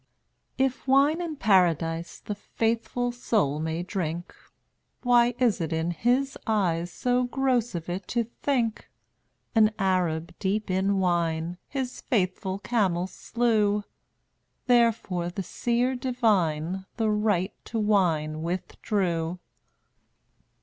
204 If wine in Paradise The faithful soul may drink, Why is it in His eyes So gross of it to think? An Arab, deep in wine, His faithful camel slew, Therefore the Seer divine The right to wine withdrew.